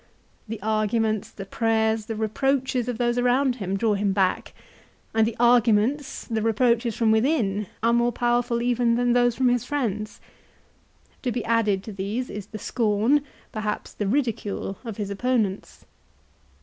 The arguments, the prayers, the reproaches of those around him draw him back; and the arguments, the reproaches from within are more powerful even than those from his friends. To be added to these is the scorn, perhaps the ridicule of his opponents.